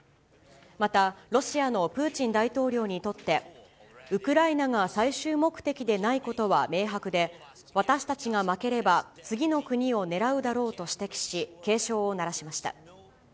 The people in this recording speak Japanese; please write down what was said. またロシアのプーチン大統領にとって、ウクライナが最終目的でないことは明白で、私たちが負ければ次の国を狙うだろうと指摘し、警鐘を鳴らしました。